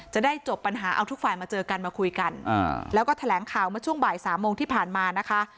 จะได้จบปัญหาเอาทุกฝ่ายมาเจอกันมาคุยกันแล้วก็แถลงข่าวเมื่อช่วงบ่ายสามโมงที่ผ่านมานะคะ